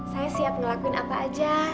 saya siap ngelakuin apa aja